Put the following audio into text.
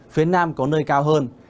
phía nam có nơi cao hơn